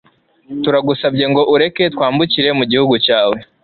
turagusabye ngo ureke twambukire mu gihugu cyawe